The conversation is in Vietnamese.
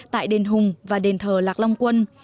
tại đền hùng và đền thờ lạc long quân